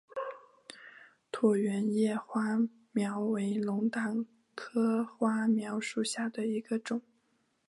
椭圆叶花锚为龙胆科花锚属下的一个种。